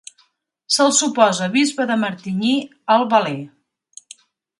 Se'l suposa bisbe de Martigny al Valais.